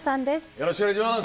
よろしくお願いします。